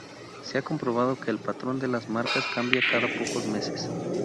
Se ha comprobado que el patrón de las marcas cambia cada pocos meses.